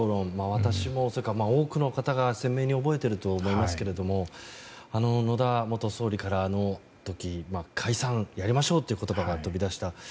私もですが、多くの方が鮮明に覚えていると思いますが野田元総理から解散、やりましょうという言葉が飛び出した。